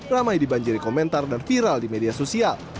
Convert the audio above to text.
ramai dibanjiri komentar dan viral di media sosial